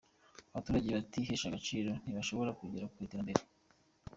Abaturage batihesha agaciro ntibashobora kugera ku iterambere.